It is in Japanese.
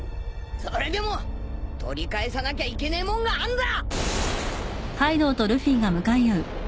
それでも取り返さなきゃいけねえもんがあんだ！